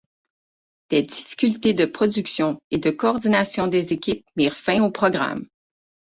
Des difficultés de production et de coordination des équipes mirent fin au programme.